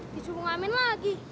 disuruh ngamen lagi